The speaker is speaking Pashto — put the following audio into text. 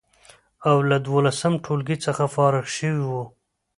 او له دولسم ټولګي څخه فارغ شوی و،